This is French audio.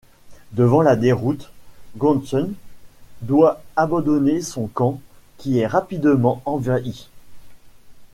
Devant la déroute, Gongsun doit abandonner son camp, qui est rapidement envahi.